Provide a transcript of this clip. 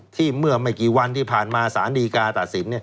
เมื่อไม่กี่วันที่ผ่านมาสารดีกาตัดสิน